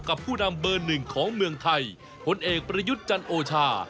ผู้นำเบอร์หนึ่งของเมืองไทยผลเอกประยุทธ์จันโอชา